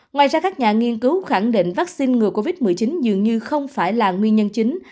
ngoài ra các nhà nghiên cứu khẳng định vaccine ngừa covid một mươi chín dường như không phải là nguyên nhân chính